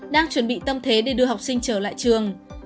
đang chuẩn bị tâm thế để đưa học sinh trở lại trường